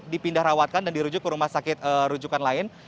dipindah rawatkan dan dirujuk ke rumah sakit rujukan lain